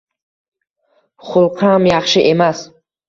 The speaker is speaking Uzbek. Xulqi ham yaxshi emas.